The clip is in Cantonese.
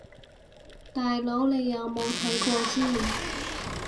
大佬你有冇睇過先